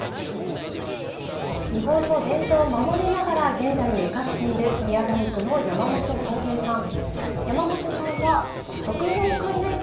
日本の伝統を守りながら現代に生かしている宮大工の山本耕平さん。